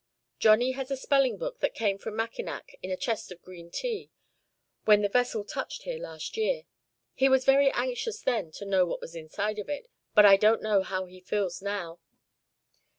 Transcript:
"Johnny has a spelling book that came from Mackinac in a chest of green tea, when the vessel touched here last year. He was very anxious then to know what was inside of it, but I don't know how he feels now."